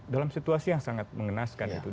dalam situasi yang sangat mengenaskan itu